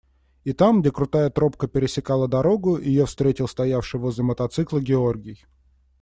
И там, где крутая тропка пересекала дорогу, ее встретил стоявший возле мотоцикла Георгий.